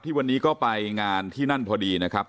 วันนี้ก็ไปงานที่นั่นพอดีนะครับ